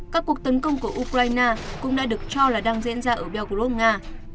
các cuộc tấn công của ukraine cũng đã được cho là đang diễn ra ở belgros nga